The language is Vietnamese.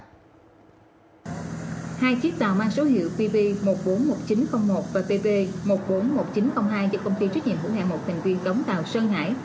hai chiếc tàu mang số hiệu pv một trăm bốn mươi một nghìn chín trăm linh một và tv một trăm bốn mươi một nghìn chín trăm linh hai do công ty trách nhiệm hữu hạng một thành viên đóng tàu sơn hải